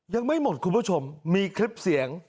ยังไม่หมดคุณผู้ชมมีคลิปเสียง